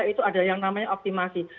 itu ada yang namanya optimasi